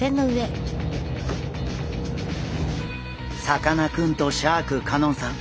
さかなクンとシャーク香音さん